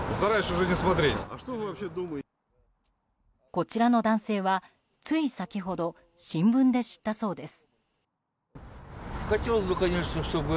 こちらの男性は、つい先ほど新聞で知ったそうです。